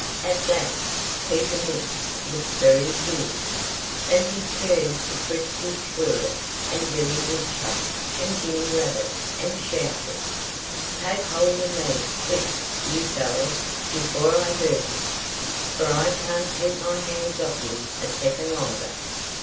At that, Peter Mink looked very fierce. And he turned to Frisky Squirrel and Billy Woodchuck and Jimmy Rabbit and shouted: "Take hold of me, quick, you fellows before I hurt him! For I can't keep my hands off him a second longer!"